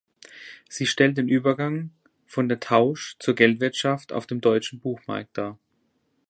Sie stellt den Übergang von der Tausch- zu Geldwirtschaft auf dem deutschen Buchmarkt dar.